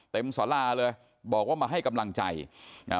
สาราเลยบอกว่ามาให้กำลังใจอ่า